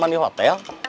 maksudnya nggak dihajar